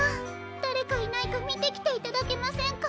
だれかいないかみてきていただけませんか？